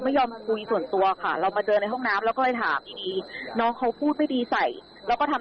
ไปแจ้งความสี่อะไรแนวนี้ค่ะ